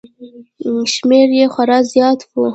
شمېر یې خورا زیات و